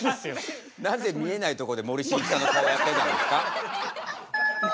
なぜ見えないとこで森進一さんの顔やってたんですか？